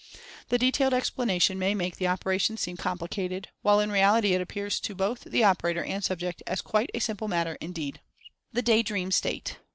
The detailed explanation may make the operation seem complicated — while in reality it appears to both the operator and subject as quite a simple matter, indeed. THE "DAY DREAM STATE."